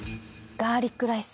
ガーリックライス！